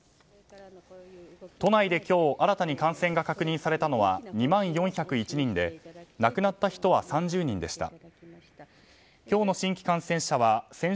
都内で今日新たに感染が確認されたのは２万４０１人で亡くなった人は３０人でした。